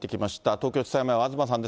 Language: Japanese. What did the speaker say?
東京地裁前は東さんです。